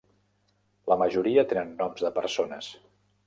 La majoria tenen noms de persones.